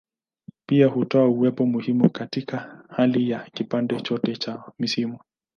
Pia hutoa uwepo muhimu katika hali ya kipande chote cha misimu.